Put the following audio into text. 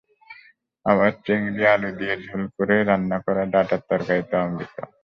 আবার চিংড়ি, আলু দিয়ে ঝোল করে রান্না করা ডাঁটার তরকারি তো অমৃত।